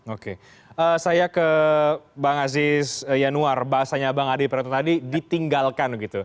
oke saya ke bang aziz yanuar bahasanya bang adi prata tadi ditinggalkan gitu